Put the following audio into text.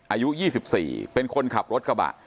อายุ๒๔เป็นคนขับรถกระบะ